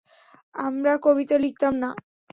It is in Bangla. আমরা কবিতা লিখতাম না।